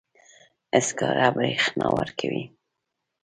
سکاره برېښنا ورکوي.